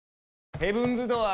ヘブンズ・ドアー！